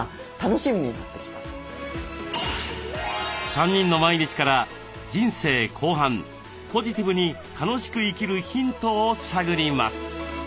３人の毎日から人生後半ポジティブに楽しく生きるヒントを探ります。